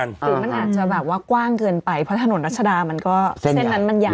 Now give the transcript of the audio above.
หรือมันอาจจะแบบว่ากว้างเกินไปเพราะถนนรัชดามันก็เส้นนั้นมันใหญ่